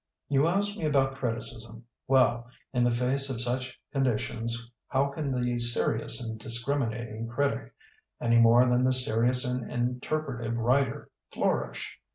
"You ask me about criticism. Well, in the face of such conditions how can the serious and discriminating critic, any more than the serious and interpretative writer, flourish?